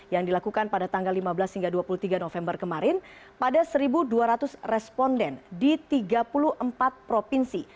yang dilakukan pada tanggal lima belas hingga dua puluh tiga november kemarin pada satu dua ratus responden di tiga puluh empat provinsi